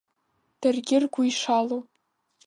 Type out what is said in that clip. Даргьы ргәы ишалоу…